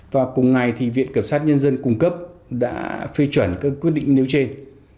và cùng ngày thì viện cẩm sát nhân dân cùng cấp đã phê chuẩn các quyết định nếu trên